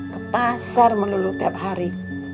ke pasar melulu tiap hari